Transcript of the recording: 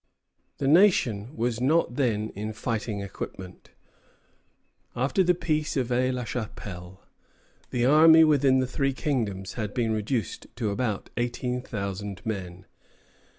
The nation was not then in fighting equipment. After the peace of Aix la Chapelle, the army within the three kingdoms had been reduced to about eighteen thousand men.